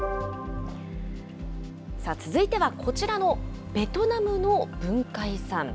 続いては、こちらのベトナムの文化遺産。